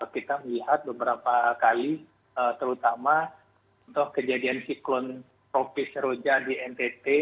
kita lihat beberapa kali terutama untuk kejadian siklon tropis roja di ntt